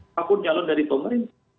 apapun calon dari pomerintah